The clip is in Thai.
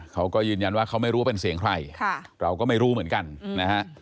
เขาก็ยืนยันว่าเขาไม่รู้ว่าเป็นเสียงใครเราก็ไม่รู้เหมือนกันนะฮะ